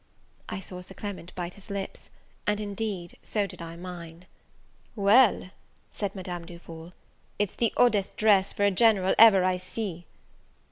I saw Sir Clement bite his lips; and, indeed, so did I mine. "Well," said Madame Duval, "it's the oddest dress for a general ever I see!"